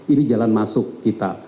ini jalan masuk kita